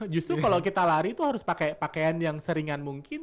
justru kalau kita lari itu harus pakai pakaian yang seringan mungkin